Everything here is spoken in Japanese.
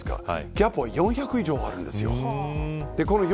ＧＡＰは４００以上あるんです。